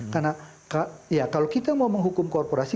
karena kalau kita mau menghukum korporasi